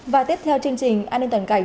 và tiếp theo chương trình an ninh toàn cảnh